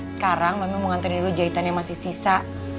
sekarang mami mau nganterin dulu jahitan yang masih sisa